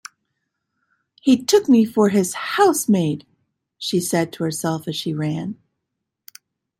‘He took me for his housemaid,’ she said to herself as she ran.